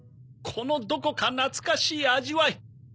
このどこか懐かしい味わい。